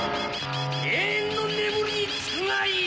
永遠の眠りにつくがいい！